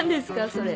それ。